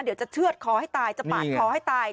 เดี๋ยวจะเชื่อดคอให้ตายจะปาดคอให้ตาย